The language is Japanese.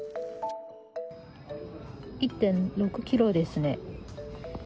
１．６ｋｇですね。